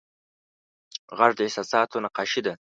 غږ د احساساتو نقاشي ده